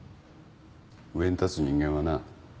上に立つ人間はな